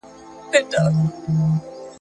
ښه ژوند د کورنۍ له غړو پرته سخت دی.